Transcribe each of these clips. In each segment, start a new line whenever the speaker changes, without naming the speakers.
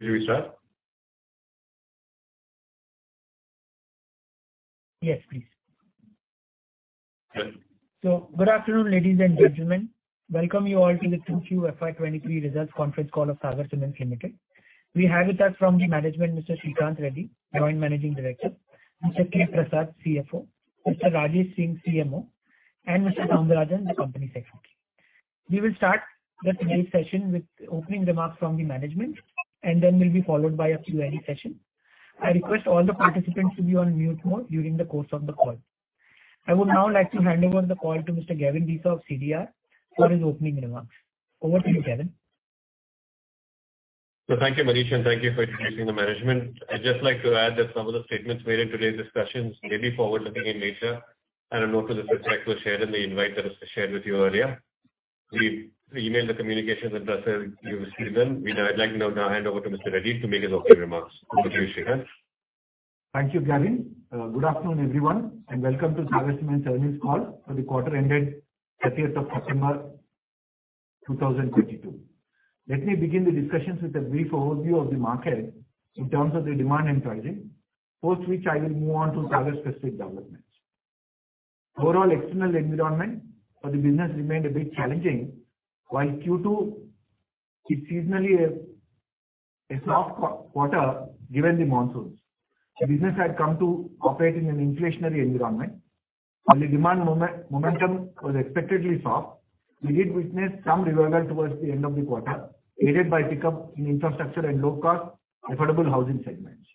Good afternoon, ladies and gentlemen. Welcome you all to the Q2 FY 2023 results conference call of Sagar Cements Limited. We have with us from the management, Mr. Srikanth Reddy, Joint Managing Director, Mr. K. Prasad, CFO, Mr. Rajesh Singh, CMO, and Mr. Thangarajan, the Company Secretary. We will start just today's session with opening remarks from the management, and then will be followed by a Q&A session. I request all the participants to be on mute mode during the course of the call. I would now like to hand over the call to Mr. Gavin Desa of CDR for his opening remarks. Over to you, Gavin.
Thank you, Manish, and thank you for introducing the management. I'd just like to add that some of the statements made in today's discussions may be forward-looking in nature and a note to this effect was shared in the invite that was shared with you earlier. We emailed the communications and thus far you've received them. I'd like to now hand over to Mr. Srikanth Reddy to make his opening remarks.
Okay.
Much appreciated.
Thank you, Gavin. Good afternoon, everyone, and welcome to Sagar Cements' earnings call for the quarter ended 30th of September 2022. Let me begin the discussions with a brief overview of the market in terms of the demand and pricing, after which I will move on to Sagar-specific developments. Overall external environment for the business remained a bit challenging, while Q2 is seasonally a soft quarter given the monsoons. The business had come to operate in an inflationary environment. While the demand momentum was expectedly soft, we did witness some revival towards the end of the quarter, aided by pickup in infrastructure and low-cost affordable housing segments.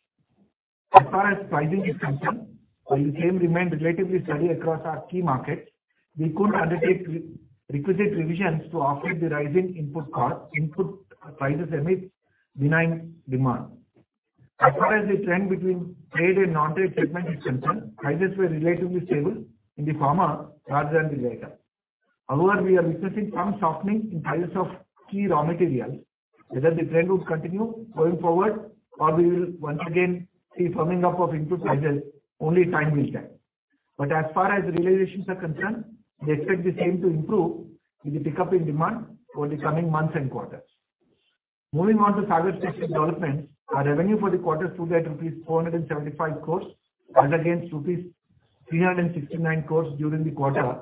As far as pricing is concerned, while the same remained relatively steady across our key markets, we could undertake requisite revisions to offset the rising input costs, input prices amidst benign demand. As far as the trend between trade and non-trade segment is concerned, prices were relatively stable in the former rather than the latter. However, we are witnessing some softening in prices of key raw materials. Whether the trend would continue going forward or we will once again see firming up of input prices, only time will tell. As far as realizations are concerned, we expect the same to improve with the pickup in demand for the coming months and quarters. Moving on to Sagar-specific developments, our revenue for the quarter stood at rupees 475 crore as against rupees 369 crore during the quarter,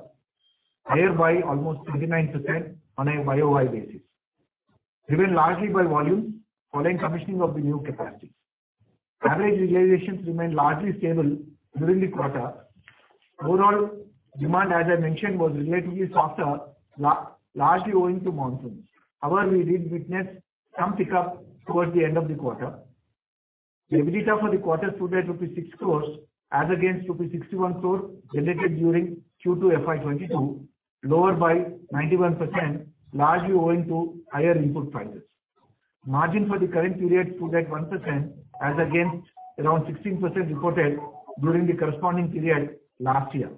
higher by almost 39% on a YoY basis, driven largely by volume following commissioning of the new capacity. Average realizations remained largely stable during the quarter. Overall demand, as I mentioned, was relatively softer, largely owing to monsoons. However, we did witness some pickup towards the end of the quarter. The EBITDA for the quarter stood at rupees 6 crores as against rupees 61 crores generated during Q2 FY 2022, lower by 91%, largely owing to higher input prices. Margin for the current period stood at 1% as against around 16% reported during the corresponding period last year.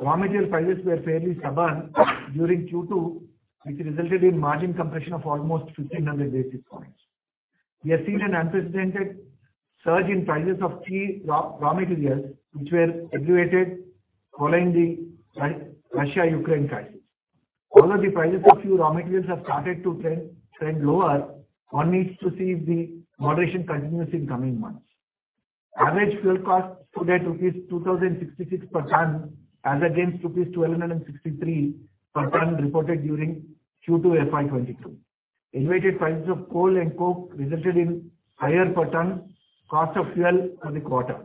Raw material prices were fairly stubborn during Q2, which resulted in margin compression of almost 1,500 basis points. We have seen an unprecedented surge in prices of key raw materials which were aggravated following the Russia-Ukraine crisis. Although the prices of few raw materials have started to trend lower, one needs to see if the moderation continues in coming months. Average fuel costs stood at rupees 2,066 per ton as against rupees 1,263 per ton reported during Q2 FY 2022. Elevated prices of coal and coke resulted in higher per ton cost of fuel for the quarter.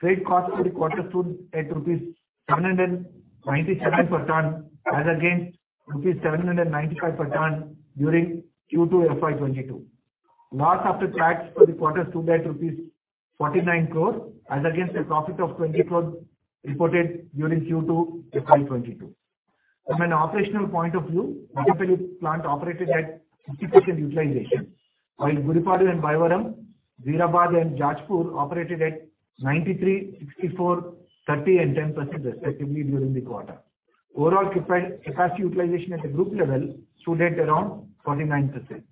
Freight costs for the quarter stood at rupees 797 per ton as against rupees 795 per ton during Q2 FY 2022. Loss after tax for the quarter stood at rupees 49 crore as against a profit of 20 crore reported during Q2 FY 2022. From an operational point of view, Mattapalli plant operated at 50% utilization, while Gudipadu and Bayyavaram, Jeerabad and Jajpur operated at 93%, 64%, 30% and 10% respectively during the quarter. Overall capacity utilization at a group level stood at around 49%.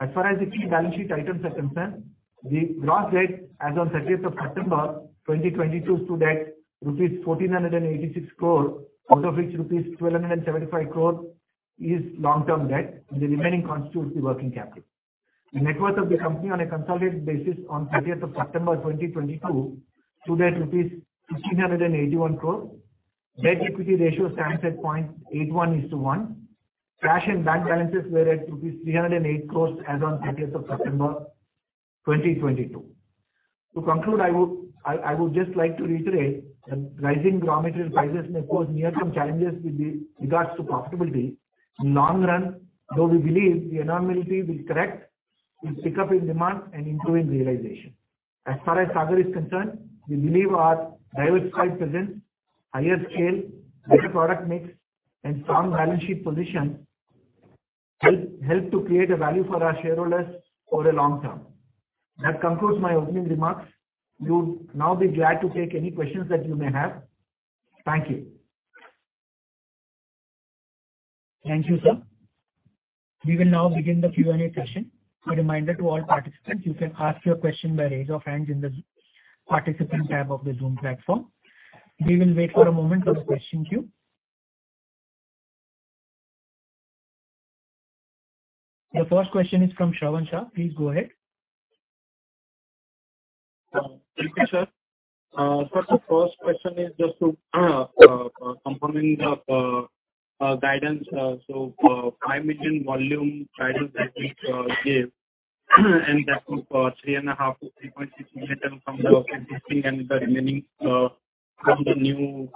As far as the key balance sheet items are concerned, the gross debt as on 30th September 2022 stood at rupees 1,486 crore, out of which rupees 1,275 crore is long-term debt. The remaining constitutes the working capital. The net worth of the company on a consolidated basis on 30th September 2022 stood at 1,581 crore. Net equity ratio stands at 0.81:1. Cash and bank balances were at rupees 308 crore as on 30th September 2022. To conclude, I would just like to reiterate that rising raw material prices may pose near-term challenges with regards to profitability. In the long run, though we believe the anomaly will correct with pickup in demand and improvement in realization. As far as Sagar is concerned, we believe our diversified presence, higher scale, better product mix and strong balance sheet position help to create a value for our shareholders over the long term. That concludes my opening remarks. We would now be glad to take any questions that you may have. Thank you.
Thank you, sir. We will now begin the Q&A session. A reminder to all participants, you can ask your question by raise of hands in the participant tab of the Zoom platform. We will wait for a moment for the question queue.
The first question is from Shravan Shah. Please go ahead.
Thank you, sir. Sir, the first question is just to confirming the guidance. Five million volume guidance that we gave, and that was 3.5-3.6 million from the existing and the remaining from the new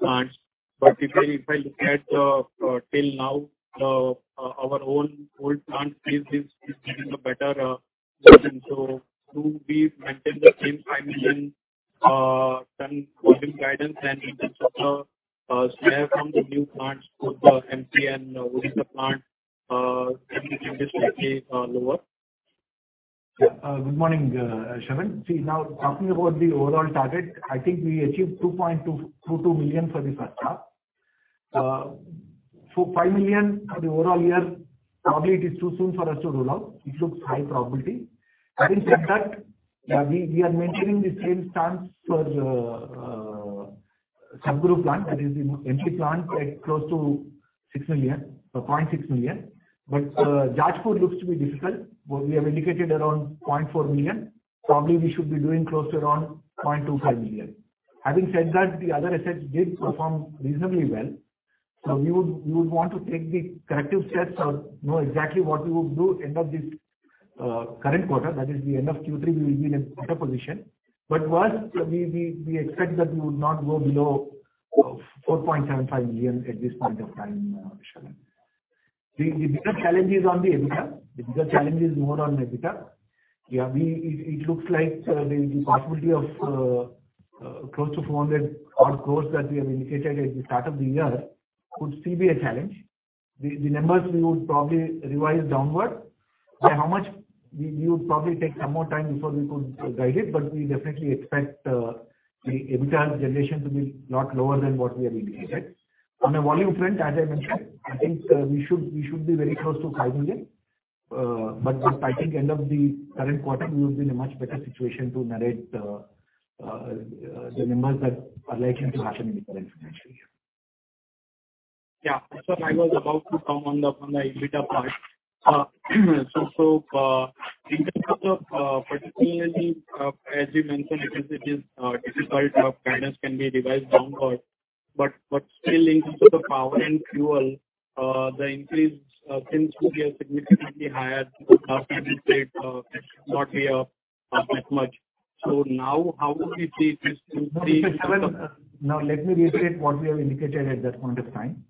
plants. If I look at till now, our own old plant is giving a better return. Will we maintain the same 5 million ton volume guidance? And in terms of the share from the new plants for the MP and Odisha plant, can we think this will be lower?
Good morning, Shravan. See, now talking about the overall target, I think we achieved 2.2 million for this half. So 5 million for the overall year, probably it is too soon for us to roll out. It looks high probability. Having said that, we are maintaining the same stance for Satguru plant, that is the MP plant, at close to 0.6 million. Jeerabad looks to be difficult. We have indicated around 0.4 million. Probably we should be doing close to around 0.25 million. Having said that, the other assets did perform reasonably well. We would want to take the corrective steps or know exactly what we would do end of this current quarter, that is the end of Q3, we will be in a better position. First, we expect that we would not go below 4.75 million at this point of time, Shravan. The bigger challenge is on the EBITDA. The bigger challenge is more on EBITDA. Yeah, it looks like the possibility of close to 400-odd crore that we have indicated at the start of the year could still be a challenge. The numbers we would probably revise downward. By how much, we would probably take some more time before we could guide it, but we definitely expect the EBITDA generation to be lot lower than what we have indicated. On a volume front, as I mentioned, I think we should be very close to 5 million. I think end of the current quarter we will be in a much better situation to narrate the numbers that are likely to happen in the current financial year.
Yeah, I was about to come on the EBITDA part. In terms of particularly, as you mentioned, I think it is difficult. Guidance can be revised downward, but still in terms of the power and fuel, the increase, since we are significantly higher cost indicate, now we have spent much. Now how would we see this increase?
No, Shravan, now let me reiterate what we have indicated at that point of time.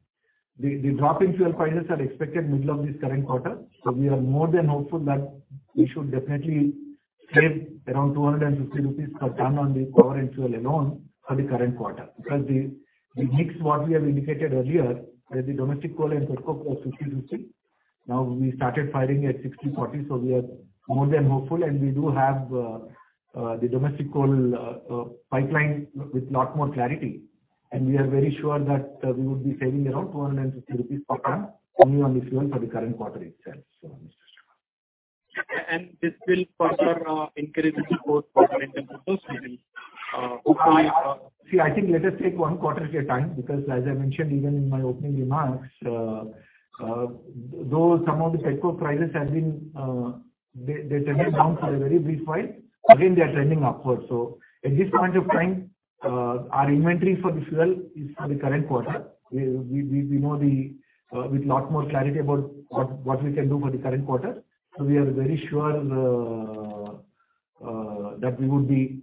The drop in fuel prices are expected middle of this current quarter. We are more than hopeful that we should definitely save around 250 rupees per ton on the power and fuel alone for the current quarter. Because the mix what we have indicated earlier is the domestic coal and pet coke was 50-50. Now we started firing at 60-40, so we are more than hopeful. We do have the domestic coal pipeline with lot more clarity. We are very sure that we would be saving around 250 rupees per ton only on the fuel for the current quarter itself.
Yeah, this will further increase the gross profit in terms of those region.
See, I think let us take one quarter at a time because as I mentioned even in my opening remarks, though some of the petcoke prices have been, they trended down for a very brief while. Again, they are trending upward. At this point of time, our inventory for the fuel is for the current quarter. We know with a lot more clarity about what we can do for the current quarter. We are very sure that we would be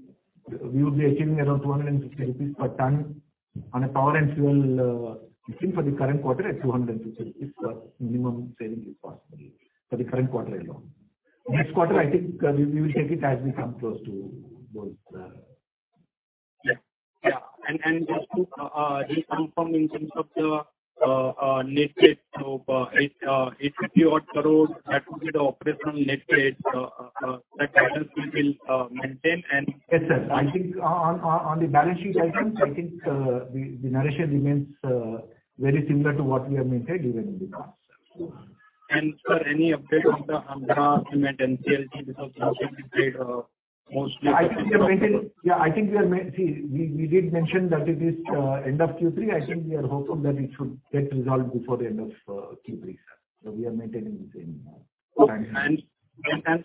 achieving around 250 rupees per ton on power and fuel. I think for the current quarter it's 250 rupees. Minimum saving is possible for the current quarter alone. Next quarter, I think, we will take it as we come close to those.
Yeah. Just to reconfirm in terms of the net debt. INR 83 odd crore, that would be the operational net debt, that balance will maintain and-
Yes, sir. I think on the balance sheet items, I think, the narration remains very similar to what we have maintained even in the past.
Sir, any update on the Andhra Cements NCLT because that has been delayed, mostly?
I think we have maintained. See, we did mention that it is end of Q3. I think we are hopeful that it should get resolved before the end of Q3, sir. We are maintaining the same time frame.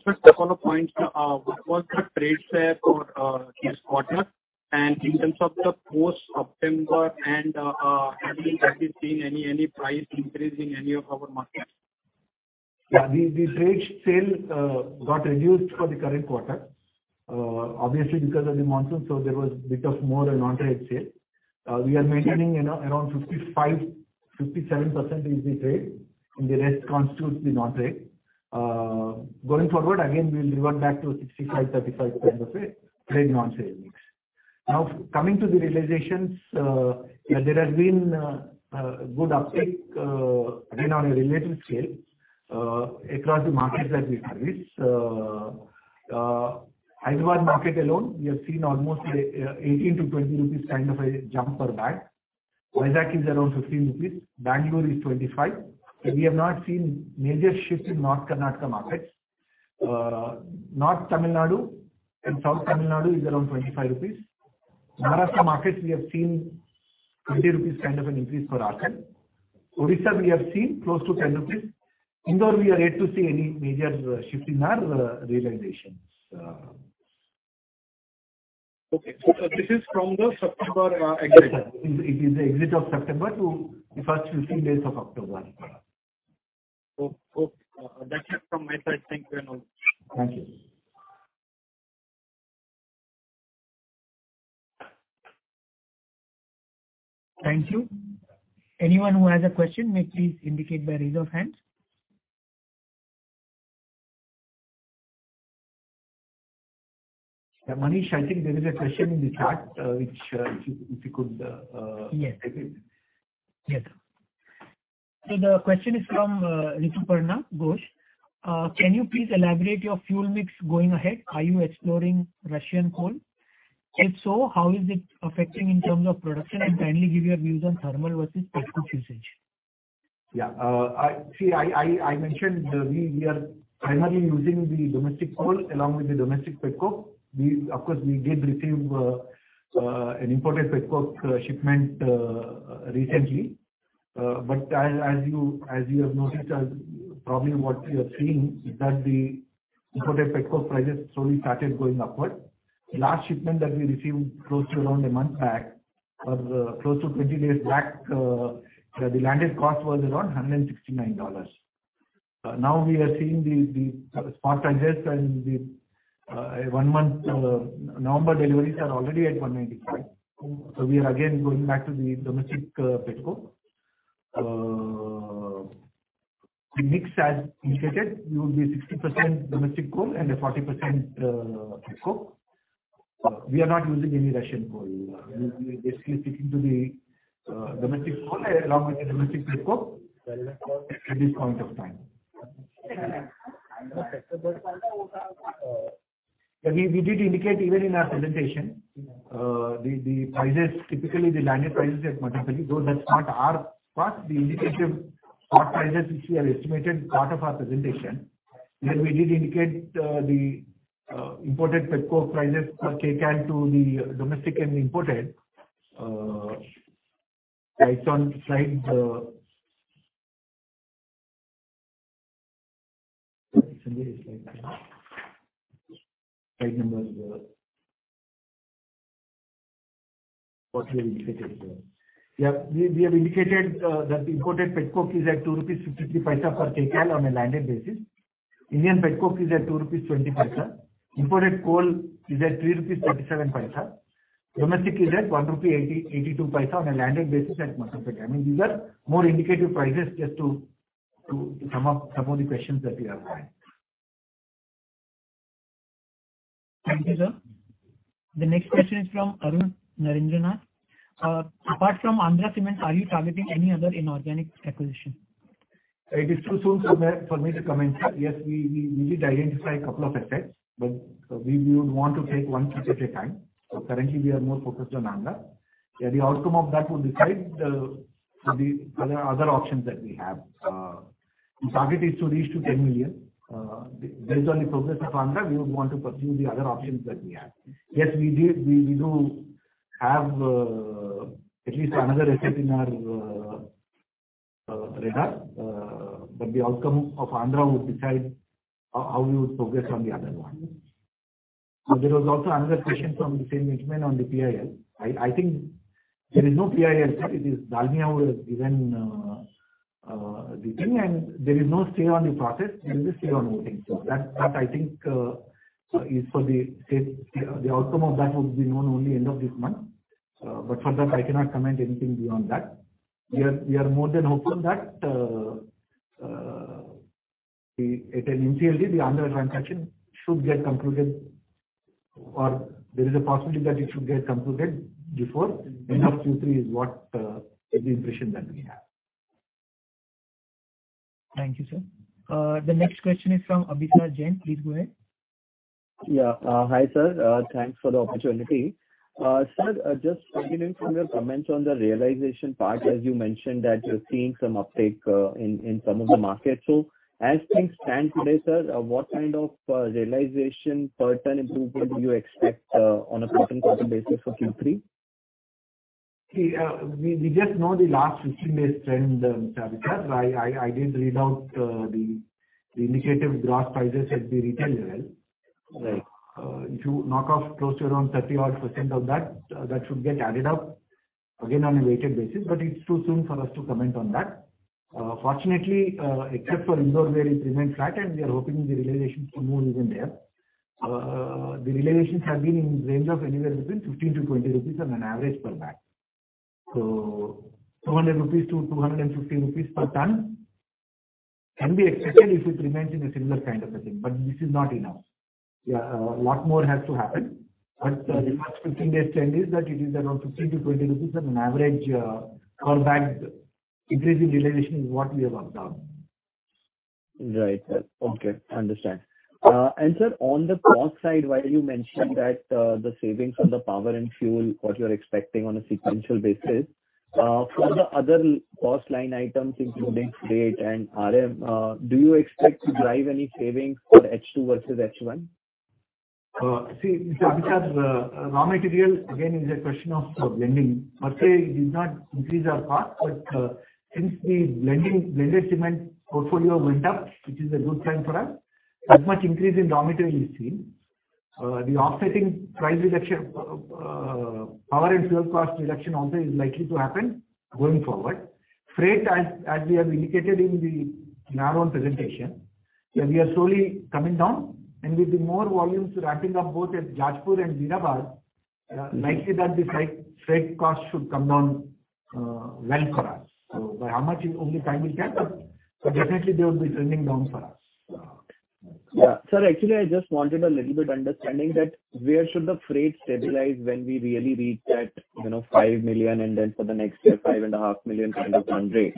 Sir, second point, what was the trade share for this quarter? In terms of the post-September, have we seen any price increase in any of our markets?
Yeah. The trade sale got reduced for the current quarter. Obviously because of the monsoon, there was a bit more non-trade sale. We are maintaining around 55-57% is the trade, and the rest constitutes the non-trade. Going forward, we'll revert back to 65-35 kind of a trade non-trade mix. Now coming to the realizations, there has been good uptake again on a relative scale across the markets that we service. Hyderabad market alone, we have seen almost 18-20 rupees kind of a jump per bag. Vizag is around 15 rupees. Bangalore is 25. We have not seen major shift in North Karnataka markets. North Tamil Nadu and South Tamil Nadu is around 25 rupees. Maharashtra market, we have seen 20 rupees kind of an increase per ton. Odisha we have seen close to 10 rupees. Indore, we are yet to see any major shift in our realizations.
Okay. This is from the September exit?
Yes, sir. It is the exit of September to the first 15 days of October.
Oh, cool. That's it from my side. Thank you very much.
Thank you.
Thank you. Anyone who has a question may please indicate by raise of hands.
Yeah, Manish, I think there is a question in the chat, which, if you could.
Yes.
Take it.
Yes, sir. The question is from Rituparna Ghosh. Can you please elaborate your fuel mix going ahead? Are you exploring Russian coal? If so, how is it affecting in terms of production? And kindly give your views on thermal versus petcoke usage.
Yeah. See, I mentioned we are primarily using the domestic coal along with the domestic petcoke. Of course, we did receive an imported petcoke shipment recently. But as you have noticed, probably what you are seeing is that the imported petcoke prices slowly started going upward. Last shipment that we received close to around a month back or close to 20 days back, the landed cost was around $169. Now we are seeing the spot prices and the one month November deliveries are already at 195. We are again going back to the domestic petcoke. The mix, as indicated, will be 60% domestic coal and a 40% petcoke. We are not using any Russian coal. We're basically sticking to the domestic coal along with the domestic petcoke at this point of time. We did indicate even in our presentation the prices, typically the landed prices at Mundra, though that's not our cost. The indicative spot prices which we have estimated as part of our presentation. There we did indicate the imported petcoke prices per kcal to the domestic and imported. We have indicated that imported petcoke is at 2.53 rupees per kcal on a landed basis. Indian petcoke is at 2.20 rupees. Imported coal is at 3.37 rupees. Domestic is at 1.82 rupees on a landed basis at Mundra. I mean, these are more indicative prices just to sum up some of the questions that we have had.
Thank you, sir. The next question is from Arun Narendranath. Apart from Andhra Cements, are you targeting any other inorganic acquisition?
It is too soon for me to comment. Yes, we did identify a couple of assets, but we would want to take one piece at a time. Currently, we are more focused on Andhra. Yeah, the outcome of that will decide the other options that we have. The target is to reach 10 million. Based on the progress of Andhra, we would want to pursue the other options that we have. Yes, we do have at least another asset in our radar. The outcome of Andhra would decide how we would progress on the other one. There was also another question from the same gentleman on the PIL. I think there is no PIL. It is Dalmia who has given the thing, and there is no stay on the process. There is a stay on voting. That I think is for the state. The outcome of that would be known only end of this month. For that, I cannot comment anything beyond that. We are more than hopeful that at an NCLT, the Andhra transaction should get concluded, or there is a possibility that it should get concluded before end of Q3 is what is the impression that we have.
Thank you, sir. The next question is from Abhisar Jain. Please go ahead.
Hi, sir. Thanks for the opportunity. Sir, just continuing from your comments on the realization part, as you mentioned that you're seeing some uptake in some of the markets. As things stand today, sir, what kind of realization per ton improvement do you expect on a quarter-on-quarter basis for Q3?
See, we just know the last 15 days trend, Abhisar. I did read out the indicative gross prices at the retail level.
Right.
If you knock off close to around 30-odd% of that should get added up again on a weighted basis, but it's too soon for us to comment on that. Fortunately, except for Indore, where it remained flat, and we are hoping the realizations to move even there. The realizations have been in range of anywhere between 15-20 rupees on an average per bag. So 200-250 rupees per ton can be expected if it remains in a similar kind of a thing, but this is not enough. Yeah, a lot more has to happen. The last 15 days trend is that it is around 15-20 rupees on an average per bag increase in realization is what we have observed.
Right, sir. Okay, understand. Sir, on the cost side, while you mentioned that, the savings on the power and fuel, what you're expecting on a sequential basis, for the other cost line items, including freight and RM, do you expect to drive any savings for H2 versus H1?
See, Mr. Abhisar Jain, raw material again is a question of blending. Per se, it did not increase our cost, but since the blending, blended cement portfolio went up, which is a good sign for us, that much increase in raw material is seen. The offsetting price reduction, power and fuel cost reduction also is likely to happen going forward. Freight, as we have indicated in our own presentation, yeah, we are slowly coming down. With the more volumes ramping up both at Jajpur and Jeerabad, likely that the freight cost should come down, well for us. By how much, only time will tell. Definitely they would be trending down for us.
Yeah. Sir, actually, I just wanted a little bit understanding that where should the freight stabilize when we really reach that, you know, 5 million, and then for the next year, 5.5 million kind of ton rate.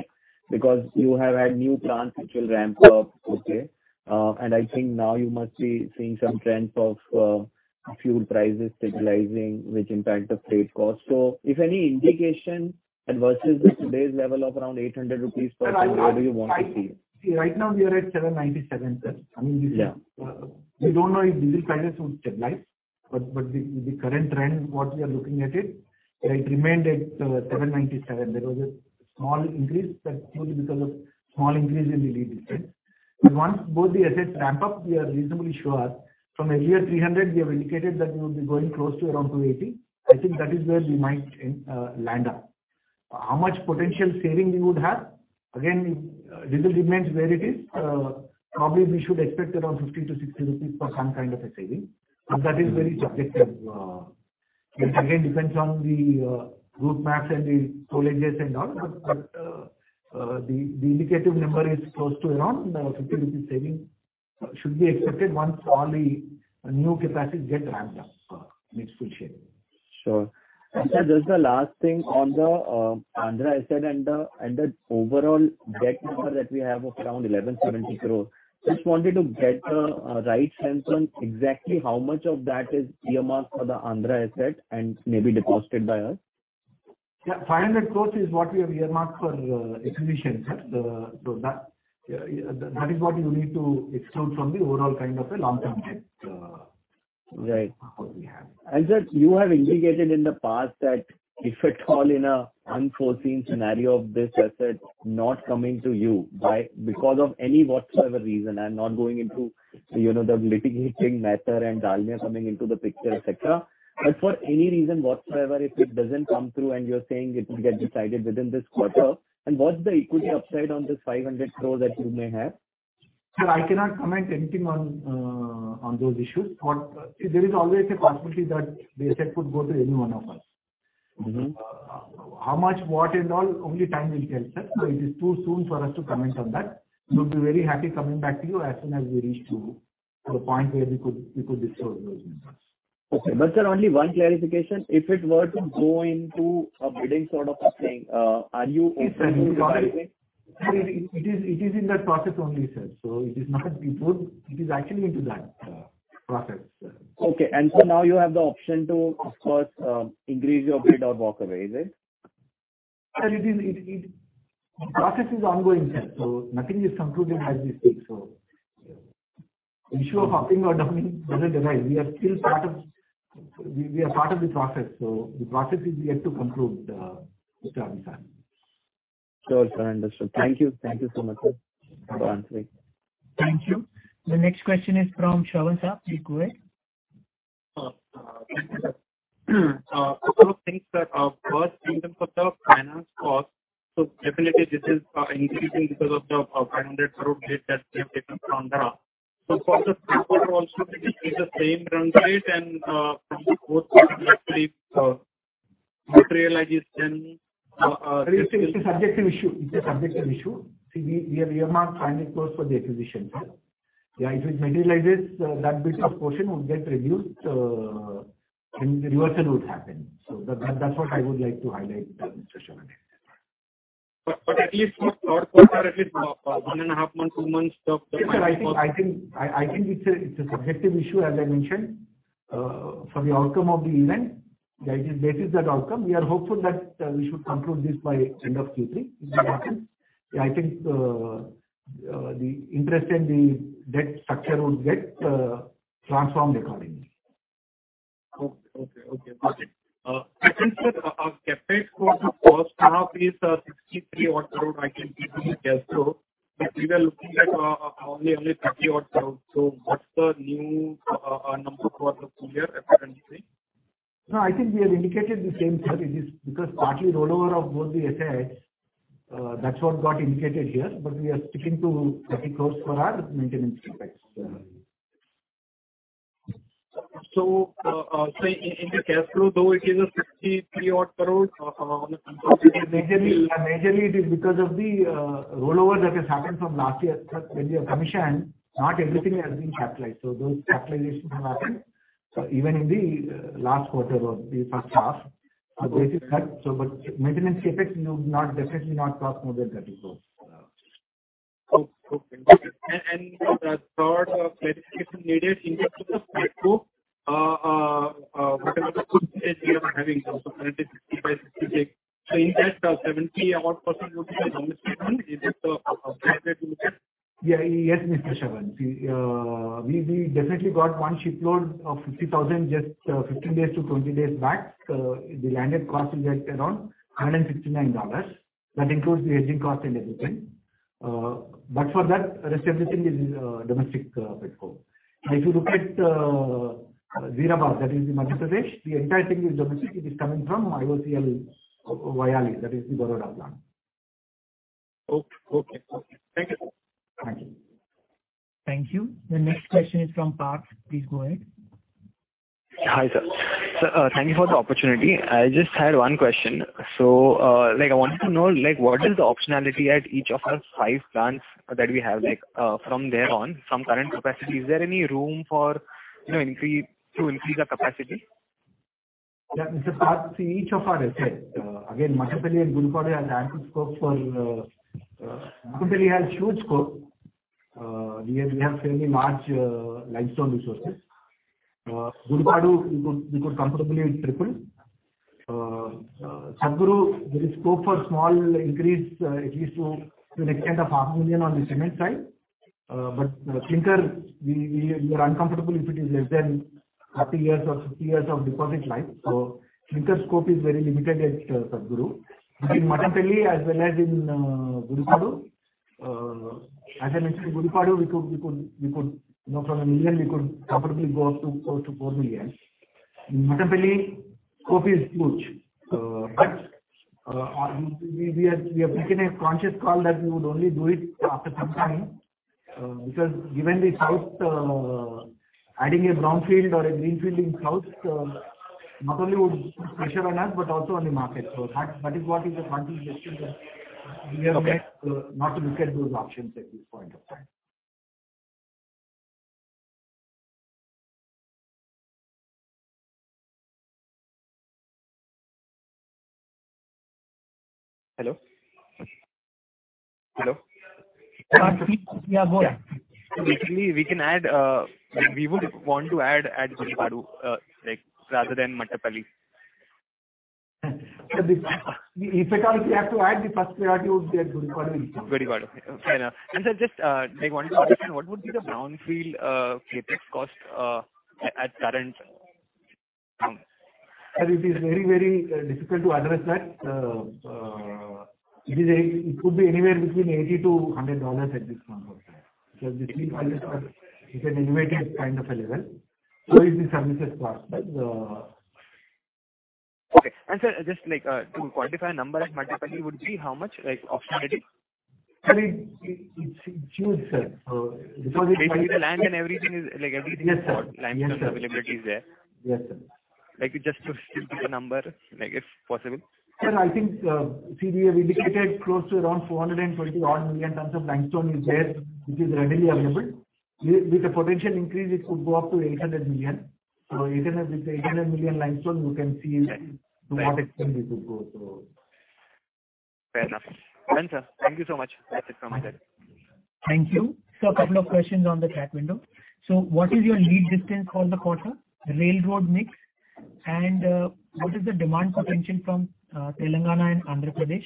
Because you have had new plants which will ramp up, okay? And I think now you must be seeing some trend of fuel prices stabilizing, which impact the freight cost. If any indication and versus today's level of around 800 rupees per ton, where do you want to see it?
See, right now we are at 797, sir. I mean.
Yeah.
We don't know if diesel prices would stabilize. The current trend, what we are looking at, it remained at 797. There was a small increase. That's purely because of small increase in the diesel price. Once both the assets ramp up, we are reasonably sure from earlier 300 we have indicated that we will be going close to around 280. I think that is where we might land up. How much potential saving we would have, again, diesel remains where it is. Probably we should expect around 50-60 rupees per ton kind of a saving. That is very subjective. It again depends on the route maps and the tollages and all. The indicative number is close to around 50 rupees saving should be expected once all the new capacity get ramped up, reach full shape.
Sure. Sir, just the last thing on the Andhra asset and the overall debt number that we have of around 1,170 crores. Just wanted to get a right sense on exactly how much of that is earmarked for the Andhra asset and maybe deployed by us.
Yeah. 500 crore is what we have earmarked for acquisition, sir. That is what you need to exclude from the overall kind of a long-term debt that we have.
Right. Sir, you have indicated in the past that if at all in an unforeseen scenario of this asset not coming to you by, because of any whatsoever reason, I'm not going into, you know, the litigating matter and Dalmia coming into the picture, et cetera. For any reason whatsoever, if it doesn't come through and you're saying it will get decided within this quarter, and what's the equity upside on this 500 crores that you may have?
Sir, I cannot comment anything on those issues. There is always a possibility that the asset could go to any one of us.
Mm-hmm.
How much, what and all, only time will tell, sir. It is too soon for us to comment on that. We'll be very happy coming back to you as soon as we reach to a point where we could disclose those numbers.
Okay. Sir, only one clarification. If it were to go into a bidding sort of a thing, are you open to participate?
Sir, it is in that process only, sir. It is not before. It is actually into that process, sir.
Okay. Now you have the option to, of course, increase your bid or walk away. Is it?
Well, it is. The process is ongoing, sir. Nothing is concluded as we speak. The issue of upping or down, whether they like, we are still part of the process. The process is yet to conclude, Mr. Abhisar Jain.
Sure, sir. Understood. Thank you. Thank you so much, sir, for answering.
Thank you. The next question is from Shravan Shah. Please go ahead.
Thank you, sir. A couple of things, sir. First in terms of the finance cost, so definitely this is increasing because of the 500 crore debt that we have taken from Andhra. For the third quarter also it is the same run rate and, for the fourth quarter actually, materialization.
It's a subjective issue. See, we have earmarked INR 500 crores for the acquisition, sir. Yeah, if it materializes, that bit of portion would get reduced. The reversal would happen. That's what I would like to highlight, Mr. Shravan Shah.
at least for short term, or at least, 1.5 month, 2 months of the finance cost.
Yes, sir. I think it's a subjective issue, as I mentioned, for the outcome of the event. Yeah, it is based on that outcome. We are hopeful that we should conclude this by end of Q3 if that happens. Yeah, I think the interest and the debt structure would get transformed accordingly.
Okay. Got it. Sir, CapEx for the first half is 63 odd crore, I can see from the cash flow. We were looking at only 30 odd crore. What's the new number for the full year CapEx, anything?
No, I think we have indicated the same, sir. It is because partly rollover of both the assets, that's what got indicated here. We are sticking to INR 30 crore for our maintenance CapEx. Yeah.
In the cash flow, though it is 63 odd crore on the front page.
Majorly it is because of the rollover that has happened from last year, sir. When we have commissioned, not everything has been capitalized. Those capitalizations have happened even in the last quarter or the first half. That is that. Maintenance CapEx, you know, not, definitely not cross more than 30 crore.
Okay. The third clarification needed in terms of the petcoke, what are the futures we are having? So $165-$166. In that, 70-odd% would be the domestic one. Is it the one to look at?
Yeah. Yes, Mr. Shravan Shah. See, we definitely got one shipload of 50,000 just 15 days to 20 days back. The landed cost is at around $169. That includes the hedging cost and everything. For that, rest everything is domestic petcoke. Now if you look at Jeerabad, that is in Madhya Pradesh, the entire thing is domestic. It is coming from IOCL Koyali, that is in Baroda plant.
Okay. Thank you, sir.
Thank you.
Thank you. The next question is from Parth. Please go ahead.
Hi, sir. Sir, thank you for the opportunity. I just had one question. Like, I wanted to know, like, what is the optionality at each of our five plants that we have, like, from there on, from current capacity, is there any room for, you know, increase, to increase our capacity?
Yeah, Mr. Parth. See, each of our assets, again, Mattapalli and Gudipadu has ample scope for, Mattapalli has huge scope. We have fairly large limestone resources. Gudipadu we could comfortably triple. Satguru, there is scope for small increase, at least to the extent of half million on the cement side. Clinker, we are uncomfortable if it is less than 30 years or 50 years of deposit life. Clinker scope is very limited at Satguru. Between Mattapalli as well as in Gudipadu, as I mentioned, Gudipadu, you know, from a million we could comfortably go up to close to four million. In Mattapalli, scope is huge. We have taken a conscious call that we would only do it after some time, because given the South, adding a brownfield or a greenfield in South not only would put pressure on us, but also on the market. That is the conscious decision that we have.
Okay.
Not to look at those options at this point of time.
Hello? Hello?
Parth, please. Yeah, go on.
Yeah. Basically, we would want to add at Gudipadu, like, rather than Mattapalli.
If at all we have to add, the first priority would be at Gudipadu itself.
Gudipadu. Okay. Fair enough. Sir, just like wanted to understand, what would be the brownfield CapEx cost at current count?
Sir, it is very difficult to address that. It could be anywhere between $80-$100 at this point of time. Because the steel prices are at an elevated kind of a level. So is the services cost.
Okay. Sir, just like, to quantify a number at Mattapalli would be how much, like optionality?
Actually, it's huge, sir.
Basically, the land and everything is, like, everything is got.
Yes, sir. Yes, sir.
Limestone availability is there.
Yes, sir.
Like just to give a number, like if possible.
Sir, I think, see, we have indicated close to around 420-odd million tons of limestone is there, which is readily available. With a potential increase it could go up to 800 million. 800 million limestone you can see.
Yes.
to what extent we could go, so.
Fair enough. Done, sir. Thank you so much. That's it from my side.
Thank you. Sir, couple of questions on the truck window. What is your lead distance for the quarter? Rail-road mix, and what is the demand potential from Telangana and Andhra Pradesh?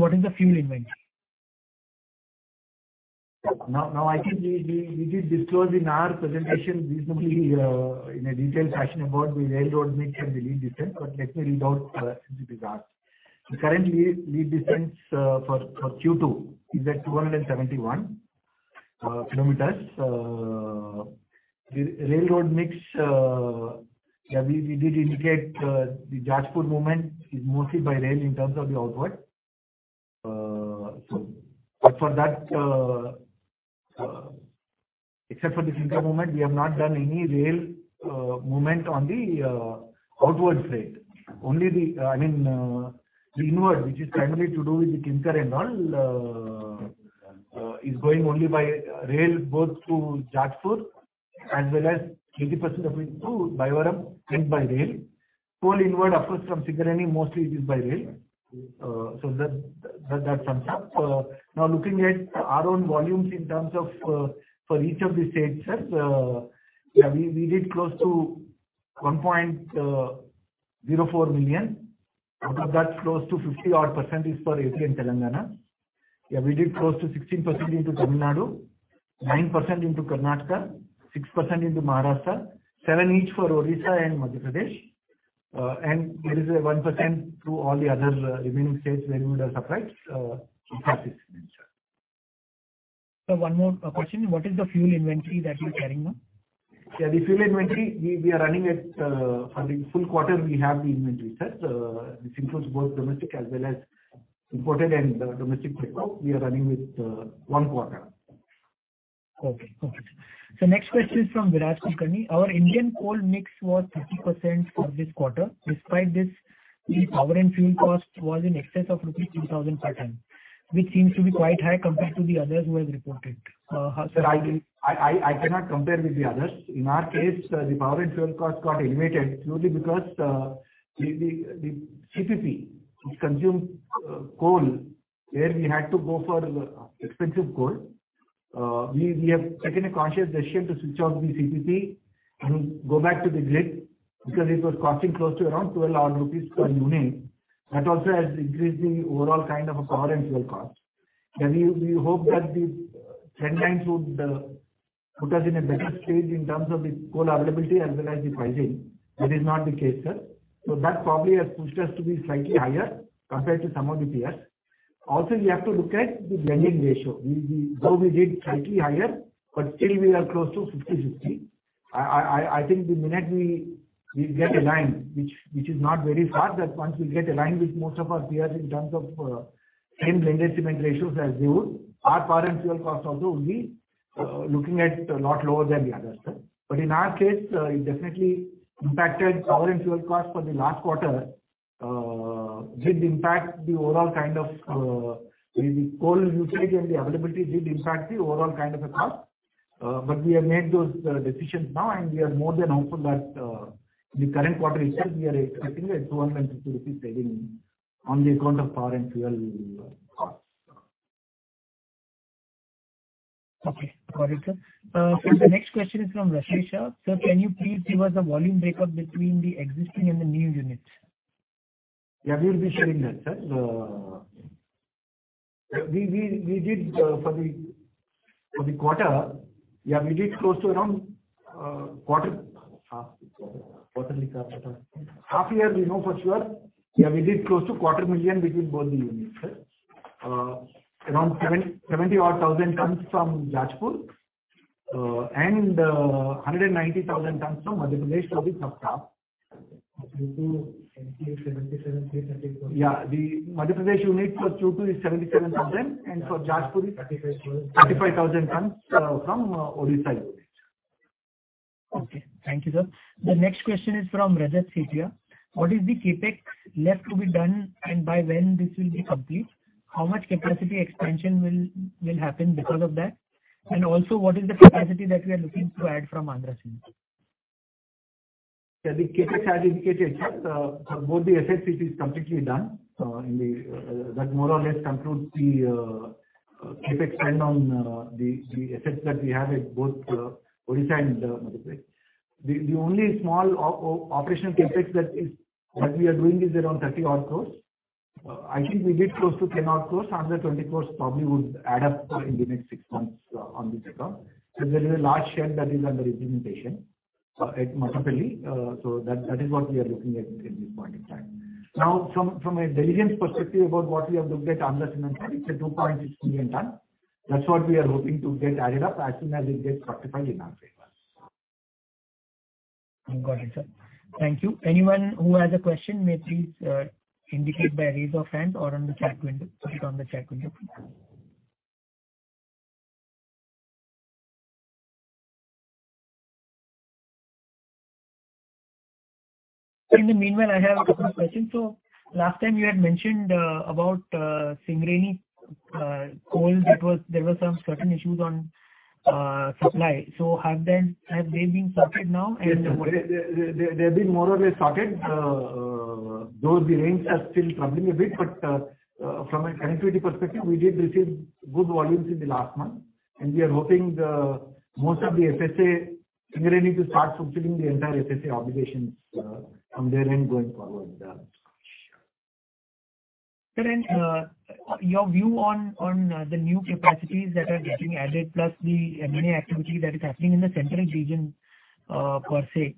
What is the fuel inventory?
Now I think we did disclose in our presentation reasonably in a detailed fashion about the railroad mix and the lead distance. Let me read out since it is asked. Currently lead distance for Q2 is at 271 km. Railroad mix yeah we did indicate the Jaipur movement is mostly by rail in terms of the outward. For that except for the clinker movement we have not done any rail movement on the outwards freight. Only the I mean the inward which is primarily to do with the clinker and all is going only by rail both to Jaipur as well as 30% of it to Bayyavaram went by rail. Coal inward of course from Singrauli mostly it is by rail. That sums up. Now looking at our own volumes in terms of for each of the states, sir, we did close to 1.04 million. Out of that, close to 50-odd% is for AP and Telangana. We did close to 16% into Tamil Nadu, 9% into Karnataka, 6% into Maharashtra, 7% each for Odisha and Madhya Pradesh. There is 1% to all the other remaining states where we would have supplied in past year, sir.
Sir, one more question. What is the fuel inventory that you're carrying now?
Yeah, the fuel inventory we are running at for the full quarter we have the inventory, sir. This includes both domestic as well as imported and domestic petcoke. We are running with one quarter.
Okay, perfect. Next question is from Viraj Kulkarni. Our Indian coal mix was 30% for this quarter. Despite this, the power and fuel cost was in excess of rupees 2,000 per ton, which seems to be quite high compared to the others who have reported. How-
Sir, I cannot compare with the others. In our case, the power and fuel cost got elevated purely because the CPP, which consumed coal, where we had to go for expensive coal. We have taken a conscious decision to switch off the CPP and go back to the grid, because it was costing close to around 12 rupees per unit. That also has increased the overall kind of a power and fuel cost. We hope that the trend lines would put us in a better stage in terms of the coal availability as well as the pricing. That is not the case, sir. That probably has pushed us to be slightly higher compared to some of the peers. Also, we have to look at the blending ratio. Though we did slightly higher, but still we are close to 50-50. I think the minute we get aligned, which is not very far, that once we get aligned with most of our peers in terms of same blended cement ratios as you, our power and fuel costs also will be looking at a lot lower than the others, sir. In our case, it definitely impacted power and fuel costs for the last quarter, did impact the overall kind of the coal usage and the availability did impact the overall kind of a cost. We have made those decisions now, and we are more than hopeful that the current quarter results, we are expecting an 250 rupees saving on account of power and fuel costs.
Okay. Got it, sir. Sir, the next question is from Rashid Shah. Sir, can you please give us a volume breakup between the existing and the new units?
Yeah, we will be sharing that, sir. We did for the quarter. We did close to around quarter half year we know for sure. We did close to quarter million between both the units, sir. Around 70-odd thousand tons from Jajpur, and 190,000 tons from Madhya Pradesh for the subsidiary. The Madhya Pradesh unit for [Chuku] is 77,000, and for Jajpur is-
35,000.
35,000 tons from Odisha unit.
Okay. Thank you, sir. The next question is from Rajat Sethia. What is the CapEx left to be done and by when this will be complete? How much capacity expansion will happen because of that? And also, what is the capacity that we are looking to add from Andhra Cements?
Yeah. The CapEx as indicated, sir. For both the assets it is completely done, that more or less concludes the CapEx spend on the assets that we have at both Odisha and Madhya Pradesh. The only small operational CapEx that we are doing is around 30-odd crores. I think we did close to 10-odd crores. Another 20 crores probably would add up in the next six months on this account. As there is a large shed that is under implementation at Mattapalli. That is what we are looking at in this point in time. Now, from a diligence perspective about what we have looked at under cement, it's a 2.6 million ton. That's what we are hoping to get added up as soon as it gets certified in our favor.
Got it, sir. Thank you. Anyone who has a question may please indicate by raising a hand or on the chat window. Put it on the chat window. In the meanwhile, I have a couple of questions. Last time you had mentioned about Singrauli coal that there were some certain issues on supply. Have they been sorted now? And
Yes. They've been more or less sorted. Though the rains are still troubling a bit, but from a connectivity perspective, we did receive good volumes in the last month. We are hoping most of the FSA, Singrauli to start fulfilling the entire FSA obligations from their end going forward. Yeah.
Sir, your view on the new capacities that are getting added, plus the M&A activity that is happening in the central region, per se.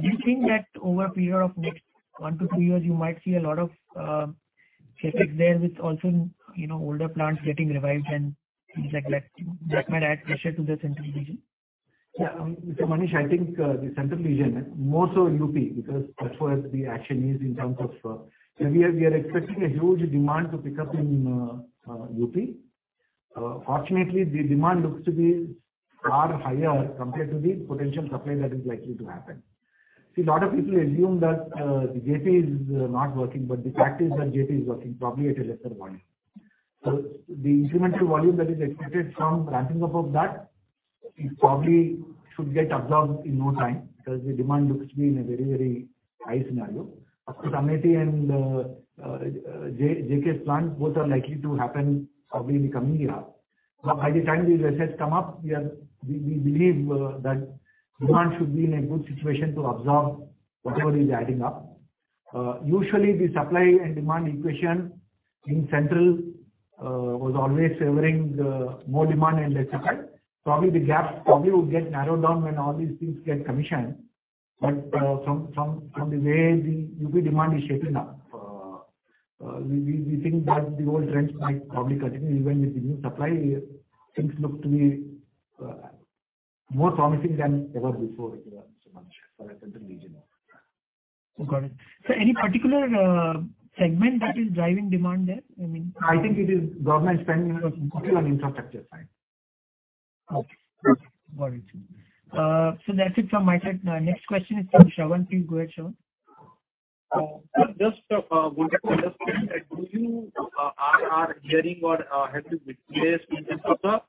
Do you think that over a period of next 1-2 years, you might see a lot of CapEx there with also, you know, older plants getting revived and things like that might add pressure to the central region?
Yeah. Manish, I think the central region, more so UP, because that's where the action is in terms of. We are expecting a huge demand to pick up in UP. Fortunately, the demand looks to be far higher compared to the potential supply that is likely to happen. See, a lot of people assume that the JT is not working, but the fact is that JT is working probably at a lesser volume. The incremental volume that is expected from ramping up of that, it probably should get absorbed in no time, because the demand looks to be in a very, very high scenario. Of course, Amethi and JK's plants, both are likely to happen probably in the coming year. By the time these assets come up, we believe that demand should be in a good situation to absorb whatever is adding up. Usually the supply and demand equation in Central was always favoring more demand and less supply. Probably the gap would get narrowed down when all these things get commissioned. From the way the UP demand is shaping up, we think that the old trends might probably continue even with the new supply. Things look to be more promising than ever before here, Manish, for the Central region.
Got it. Sir, any particular segment that is driving demand there? I mean
I think it is government spending on infrastructure side.
Okay. Got it. That's it from my side. Next question is from Shravan. Please go ahead, Shravan.
Just wanted to understand, are you hearing or have you witnessed in terms of the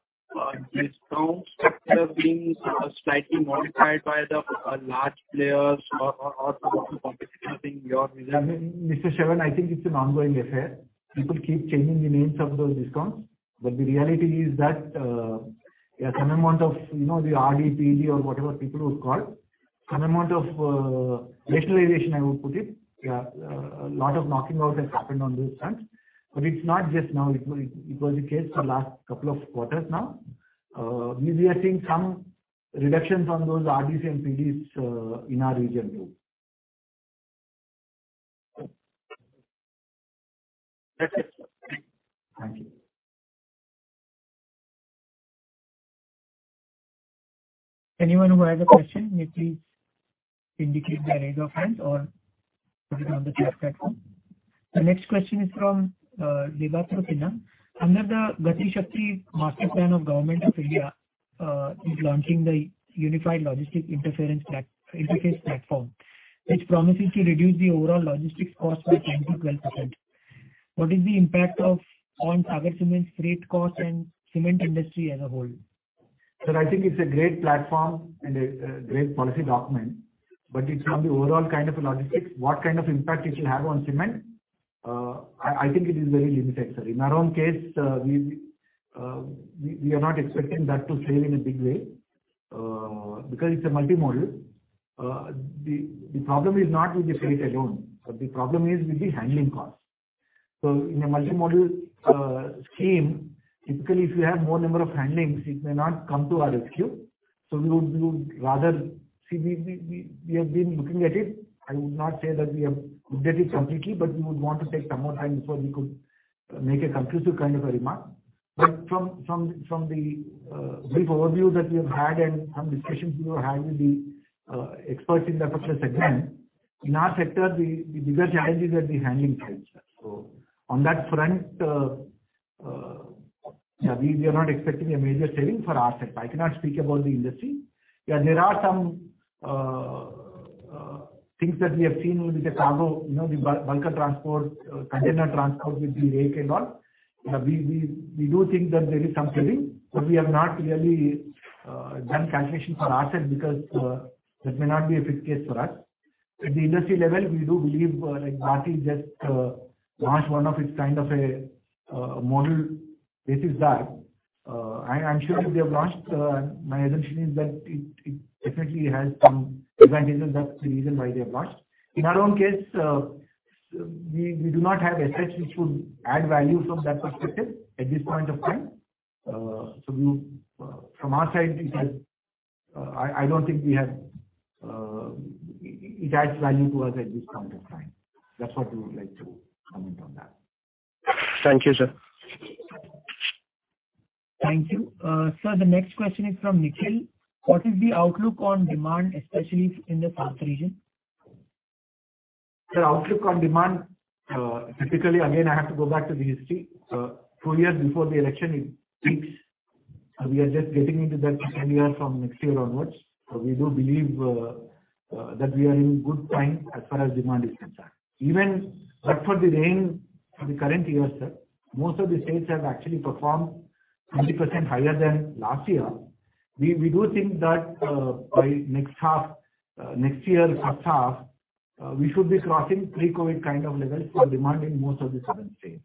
discount structure being slightly modified by the large players or some of the competition happening in your region?
Mr. Shravan Shah, I think it's an ongoing affair. People keep changing the names of those discounts. The reality is that some amount of, you know, the RD, PD or whatever people would call. Some amount of rationalization I would put it. A lot of knocking out has happened on those fronts. It's not just now. It was the case for last couple of quarters now. We are seeing some reductions on those RDs and PDs in our region too.
That's it, sir. Thank you.
Thank you.
Anyone who has a question may please indicate by raise of hands or put it on the chat platform. The next question is from Debarpan Sinha. Under the Gati Shakti master plan of the government of India is launching the unified logistics interface platform, which promises to reduce the overall logistics cost by 10%-12%. What is the impact on Sagar Cements' freight cost and cement industry as a whole?
Sir, I think it's a great platform and a great policy document. It's from the overall kind of a logistics. What kind of impact it will have on cement? I think it is very limited, sir. In our own case, we are not expecting that to save in a big way, because it's a multi-modal. The problem is not with the freight alone, but the problem is with the handling cost. In a multi-modal scheme, typically, if you have more number of handlings, it may not come to our rescue. We would rather. See, we have been looking at it. I would not say that we have updated completely, but we would want to take some more time before we could make a conclusive kind of a remark. From the brief overview that we have had and some discussions we were having with the experts in that particular segment, in our sector, the bigger challenges are the handling types. On that front, we are not expecting a major saving for our sector. I cannot speak about the industry. There are some things that we have seen with the cargo, you know, the bunker transport, container transport with the rake and all. We do think that there is some saving, but we have not really done calculation for ourselves because that may not be a fit case for us. At the industry level, we do believe, like Bharti just launched one of its kind of a model basis that, I'm sure if they have launched, my assumption is that it definitely has some advantages. That's the reason why they have launched. In our own case, we do not have assets which would add value from that perspective at this point of time. From our side, it has, I don't think we have, it adds value to us at this point of time. That's what we would like to comment on that.
Thank you, sir. Thank you. Sir, the next question is from Nikhil. What is the outlook on demand, especially in the south region?
The outlook on demand, typically, again, I have to go back to the history. Two years before the election, it peaks. We are just getting into that second year from next year onwards. We do believe that we are in good time as far as demand is concerned. Even but for the rain for the current year, sir, most of the states have actually performed 20% higher than last year. We do think that by next half, next year's first half, we should be crossing pre-COVID kind of levels for demand in most of the southern states.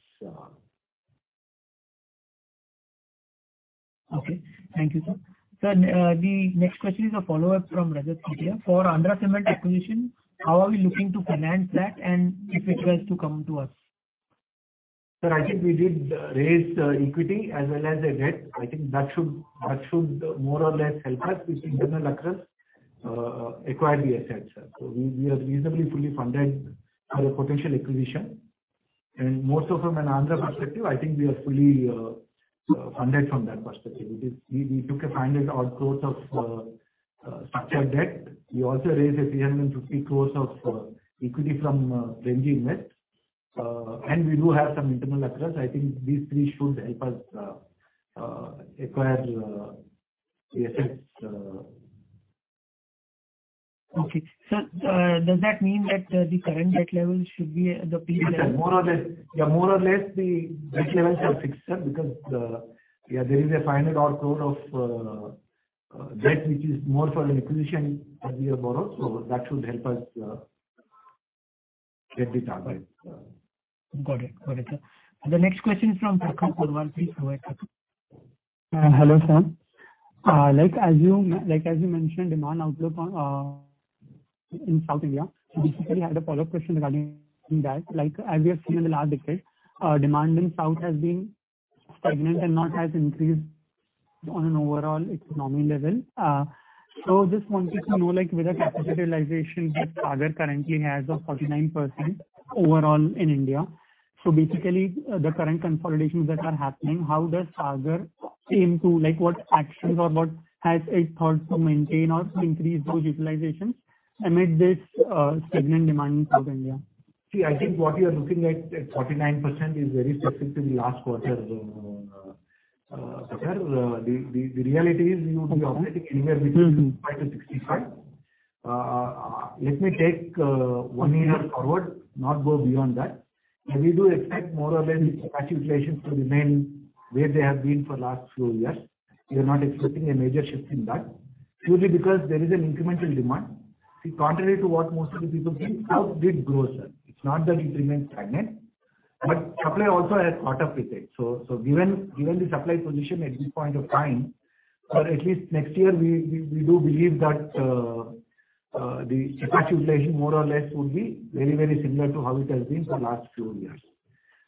Okay. Thank you, sir. Sir, the next question is a follow-up from Rajat Sethia. For Andhra Cements acquisition, how are we looking to finance that, and if it was to come to us?
Sir, I think we did raise equity as well as a debt. I think that should more or less help us with internal accruals acquire the assets, sir. We are reasonably fully funded for a potential acquisition. Most of them, in Andhra perspective, I think we are fully funded from that perspective. We took a INR 500-odd crore of structured debt. We also raised a 350 crore of equity from Premji Invest. We do have some internal accruals. I think these three should help us acquire the assets.
Okay. Sir, does that mean that the current debt levels should be the peak level?
Yes, sir. More or less. Yeah, more or less the debt levels are fixed, sir, because yeah, there is INR 500-odd crore of debt which is more for an acquisition that we have borrowed. That should help us get the target.
Got it. Got it, sir. The next question is from Sagar Purwal with Anand Rathi.
Hello, sir. Like, as you mentioned, demand outlook in South India. Basically, I had a follow-up question regarding that. Like, as we have seen in the last decade, demand in South has been stagnant and not has increased on an overall economy level. Just wanted to know, like, with the capacity realization that Sagar currently has of 49% overall in India. Basically, the current consolidations that are happening, how does Sagar aim to? Like, what actions or what has it thought to maintain or to increase those utilizations amid this stagnant demand in South India?
I think what you are looking at 49% is very specific to the last quarter, Sagar. The reality is you'd be operating anywhere between 55%-65%. Let me take one year forward, not go beyond that. We do expect more or less capacity utilizations to remain where they have been for last few years. We are not expecting a major shift in that, purely because there is an incremental demand. See, contrary to what most of the people think, South did grow, sir. It's not that it remains stagnant. Supply also has caught up with it. Given the supply position at this point of time, or at least next year, we do believe that the capacity utilization more or less will be very similar to how it has been for last few years.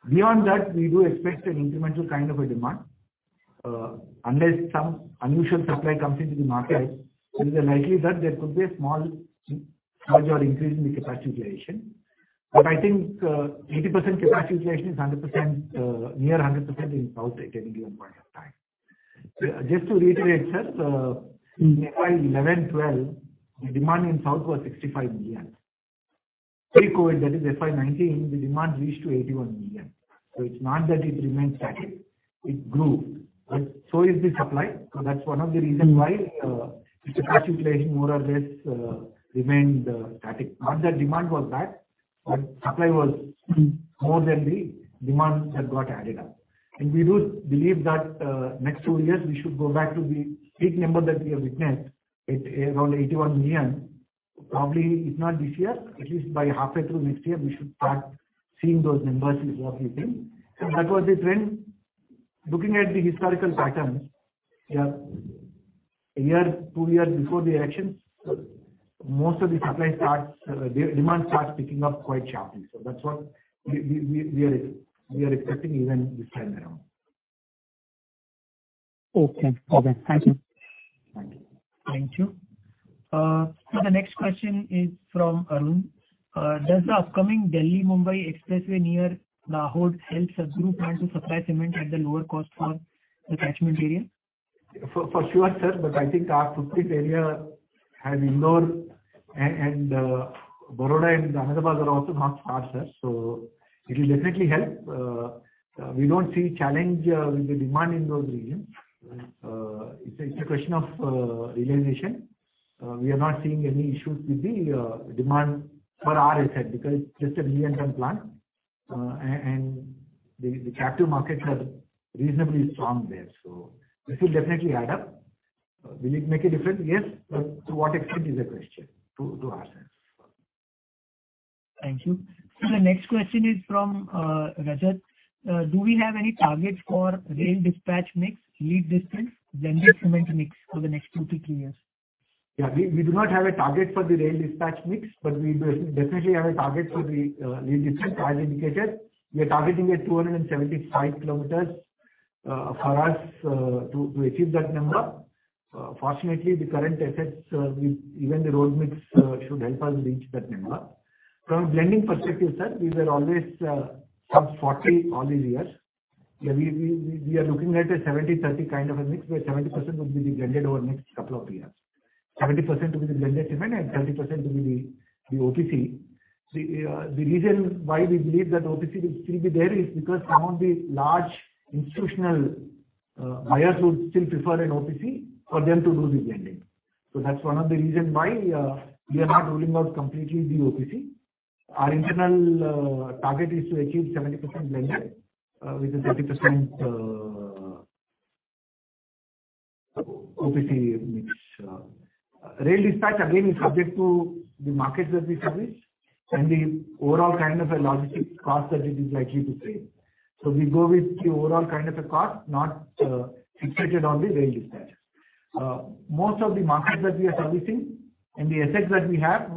Beyond that, we do expect an incremental kind of a demand. Unless some unusual supply comes into the market. There is a likelihood there could be a small surge or increase in the capacity utilization. I think 80% capacity utilization is 100%, near 100% in south at any given point of time. Just to reiterate, sir, in FY 2011-12, the demand in south was 65 million. Pre-COVID, that is FY 2019, the demand reached to 81 million. It's not that it remains static, it grew. So is the supply. That's one of the reason why the capacity utilization more or less remained static. Not that demand was bad, but supply was more than the demand that got added up. We do believe that next two years, we should go back to the peak number that we have witnessed at around 81 million. Probably, if not this year, at least by halfway through next year, we should start seeing those numbers is what we think. That was the trend. Looking at the historical patterns, yeah, a year, two years before the election, the demand starts picking up quite sharply. That's what we are expecting even this time around.
Okay. Thank you.
Thank you.
Thank you. The next question is from Arun. Does the upcoming Delhi-Mumbai Expressway near Indore help Satguru plan to supply cement at the lower cost for catchment area?
For sure, sir, but I think our footprint area has Indore and Baroda and Ahmedabad are also not far, sir. It'll definitely help. We don't see challenge with the demand in those regions. It's a question of realization. We are not seeing any issues with the demand for our asset, because it's just a greenfield plant. The captive markets are reasonably strong there. This will definitely add up. Will it make a difference? Yes. To what extent is the question to ask, sir.
Thank you. The next question is from Rajat. Do we have any targets for rail dispatch mix, lead distance, blended cement mix for the next two to three years?
Yeah. We do not have a target for the rail dispatch mix, but we do definitely have a target for the lead distance as indicated. We are targeting at 275 km for us to achieve that number. Fortunately, the current assets with even the road mix should help us reach that number. From a blending perspective, sir, we were always sub 40 all these years. Yeah, we are looking at a 70-30 kind of a mix, where 70% would be the blended over next couple of years. 70% will be the blended cement and 30% will be the OPC. The reason why we believe that OPC will still be there is because some of the large institutional buyers would still prefer an OPC for them to do the blending. That's one of the reason why we are not ruling out completely the OPC. Our internal target is to achieve 70% blended with a 30% OPC mix. Rail dispatch again is subject to the markets that we service and the overall kind of a logistics cost that it is likely to face. We go with the overall kind of a cost, not fixated on the rail dispatch. Most of the markets that we are servicing and the assets that we have,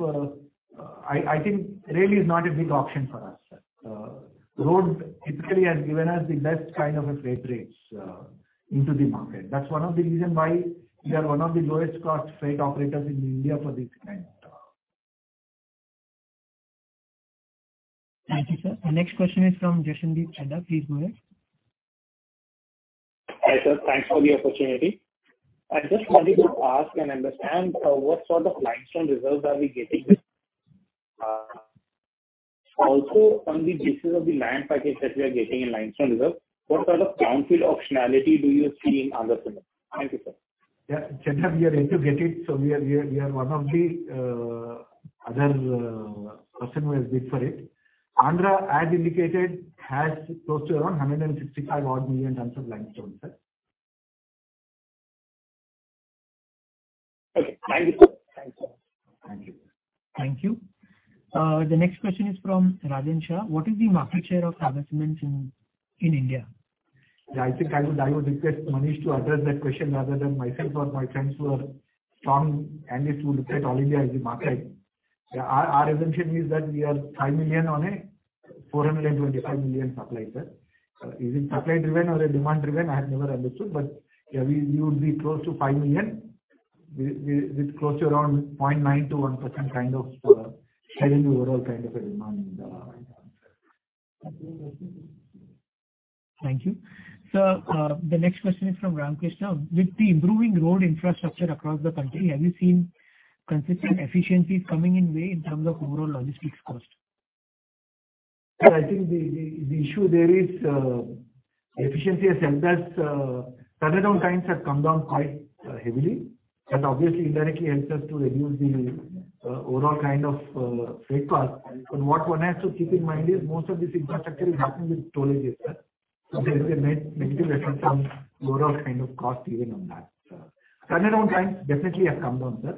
I think rail is not a big option for us, sir. Road typically has given us the best kind of a freight rates into the market. That's one of the reason why we are one of the lowest cost freight operators in India for this kind.
Thank you, sir. The next question is from Jasdeep Singh Chadha. Please go ahead.
Hi, sir. Thanks for the opportunity. I just wanted to ask and understand, what sort of limestone reserves are we getting? Also on the basis of the land package that we are getting in limestone reserve, what sort of brownfield optionality do you see in Andhra Cements? Thank you, sir.
Chadha, we are yet to get it, so we are one of the other person who has bid for it. Andhra Cements, as indicated, has close to around 165 odd million tons of limestone, sir.
Okay. Thank you, sir.
Thank you.
Thank you. The next question is from Rajan Shah. What is the market share of bagged cement in India?
Yeah, I think I would request Manish to address that question rather than myself or my friends who are strong analysts who look at all India as a market. Our assumption is that we are 5 million on a 425 million supply, sir. Is it supply driven or a demand driven? I have never understood. Yeah, we would be close to 5 million. We with close to around 0.9%-1% kind of overall kind of a demand in the market.
Thank you. Sir, the next question is from Ramkrishna. With the improving road infrastructure across the country, have you seen consistent efficiencies coming into play in terms of overall logistics cost?
Yeah, I think the issue there is efficiency itself. That's turnaround times have come down quite heavily. That obviously indirectly helps us to reduce the overall kind of freight cost. What one has to keep in mind is most of this infrastructure is happening with toll roads, sir. There is a net negative effect on overall kind of cost even on that, sir. Turnaround time definitely has come down, sir.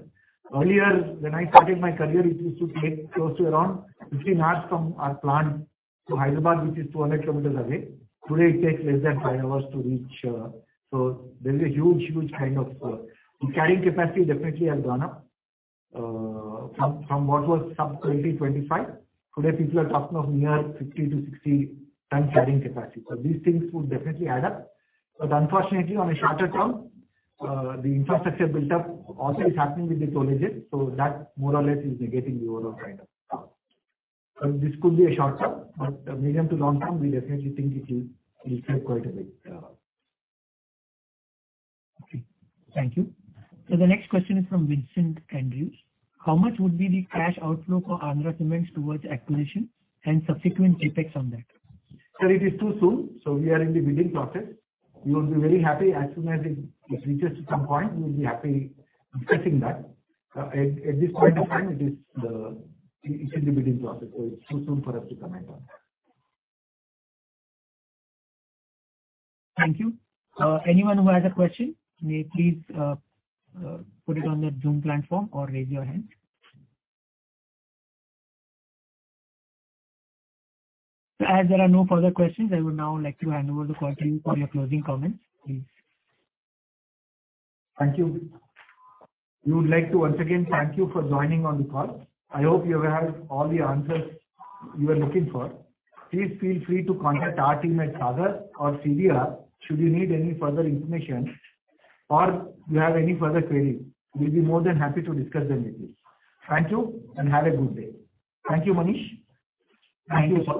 Earlier, when I started my career, it used to take close to around 15 hours from our plant to Hyderabad, which is 1,200 km away. Today, it takes less than five hours to reach. There is a huge kind of carrying capacity definitely has gone up. From what was sub 20, 25, today people are talking of near 50-60 ton carrying capacity. These things would definitely add up. Unfortunately, on a shorter term, the infrastructure built up also is happening with the toll gates. That more or less is negating the overall kind of stuff. This could be a short term, but medium to long term, we definitely think it will help quite a bit.
Okay, thank you. The next question is from Vincent Andrews. How much would be the cash outflow for Andhra Cements towards acquisition and subsequent CapEx on that?
Sir, it is too soon, so we are in the bidding process. We will be very happy as soon as it reaches to some point, we'll be happy discussing that. At this point of time, it's in the bidding process. It's too soon for us to comment on that.
Thank you. Anyone who has a question may please put it on the Zoom platform or raise your hand. As there are no further questions, I would now like to hand over the call to you for your closing comments, please.
Thank you. We would like to once again thank you for joining on the call. I hope you have all the answers you were looking for. Please feel free to contact our team at Sagar or CDR should you need any further information or you have any further queries. We'll be more than happy to discuss them with you. Thank you, and have a good day. Thank you, Manish. Thank you, sir.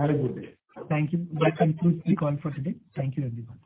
Have a good day.
Thank you. That concludes the call for today. Thank you, everyone.